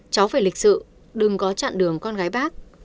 cháu về lịch sự đừng có chặn đường con gái bác